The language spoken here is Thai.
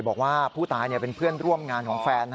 บอกว่าผู้ตายเป็นเพื่อนร่วมงานของแฟน